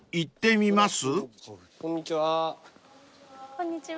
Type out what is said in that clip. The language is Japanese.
こんにちは。